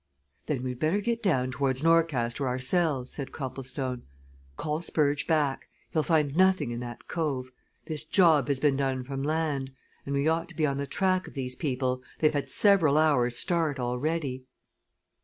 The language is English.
"Then we'd better get down towards Norcaster ourselves," said Copplestone. "Call Spurge back he'll find nothing in that cove. This job has been done from land. And we ought to be on the track of these people they've had several hours start already."